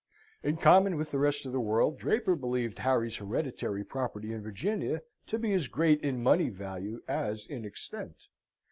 In common with the rest of the world, Draper believed Harry's hereditary property in Virginia to be as great in money value as in extent.